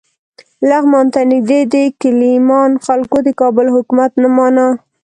لغمان ته نږدې د کیلمان خلکو د کابل حکومت نه مانه.